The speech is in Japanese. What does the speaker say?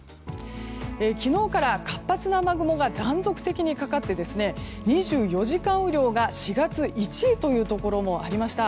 昨日から活発な雨雲が断続的にかかって２４時間雨量が４月１位というところもありました。